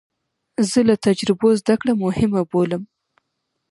زه له تجربو زده کړه مهمه بولم.